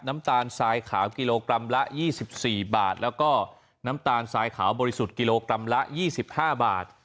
น้ำตาลทรายขาวกิโลกรัมละ๒๔บาทแล้วก็น้ำตาลทรายขาวบริสุทธิ์กิโลกรัมละ๒๕บาท